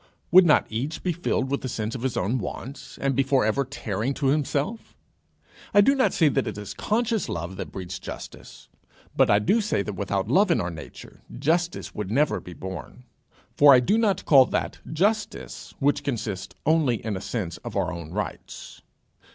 Would not each be filled with the sense of his own wants, and be for ever tearing to himself? I do not say it is conscious love that breeds justice, but I do say that without love in our nature justice would never be born. For I do not call that justice which consists only in a sense of our own rights.